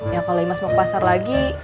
ya kalo emas mau ke pasar lagi